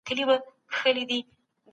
حقوقپوهانو به د سولي لپاره هڅي کولې.